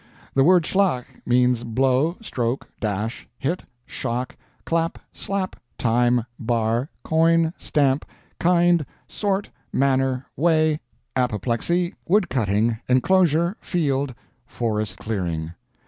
The word SCHLAG means Blow, Stroke, Dash, Hit, Shock, Clap, Slap, Time, Bar, Coin, Stamp, Kind, Sort, Manner, Way, Apoplexy, Wood cutting, Enclosure, Field, Forest clearing.